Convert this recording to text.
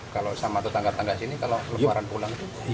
kalau sama itu tangga tangga sini kalau keluarga pulang itu